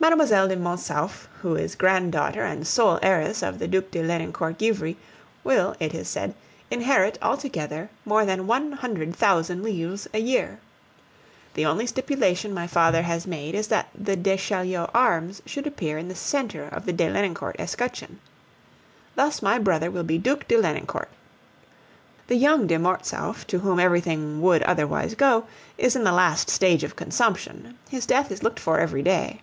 Mlle. de Mortsauf, who is granddaughter and sole heiress of the Duc de Lenoncourt Givry, will, it is said, inherit altogether more than one hundred thousand livres a year. The only stipulation my father has made is that the de Chaulieu arms should appear in the centre of the de Lenoncourt escutcheon. Thus my brother will be Duc de Lenoncourt. The young de Mortsauf, to whom everything would otherwise go, is in the last stage of consumption; his death is looked for every day.